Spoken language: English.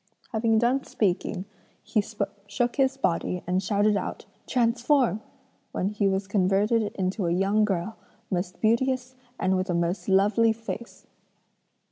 "Having done speaking, he shook his body and shouted out 'transform,' when he was converted into a young girl, most beauteous and with a most lovely face.